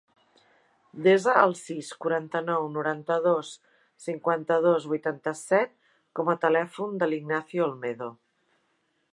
Desa el sis, quaranta-nou, noranta-dos, cinquanta-dos, vuitanta-set com a telèfon de l'Ignacio Olmedo.